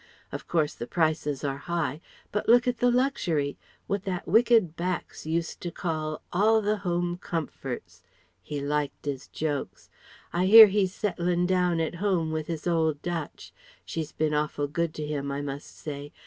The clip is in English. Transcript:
Of course the prices are high. But look at the luxury! What that wicked Bax used to call 'All the Home Comforts.' He liked 'is joke. I hear he's settlin' down at home with his old Dutch. She's bin awful good to him, I must say.